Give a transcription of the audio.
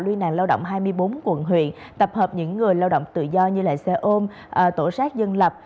liên đoàn lao động hai mươi bốn quận huyện tập hợp những người lao động tự do như lại xe ôm tổ sát dân lập